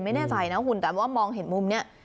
ไม่แน่ใจนะคุณแต่ว่ามองเห็นมุมนี้